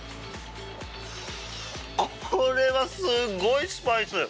これはすごいスパイス！